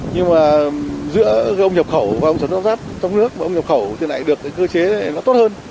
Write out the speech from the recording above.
nhưng mà giữa ông nhập khẩu và ông sản xuất lắp ráp trong nước và ông nhập khẩu thì lại được cái cơ chế này nó tốt hơn